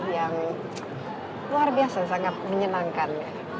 yang luar biasa sangat menyenangkan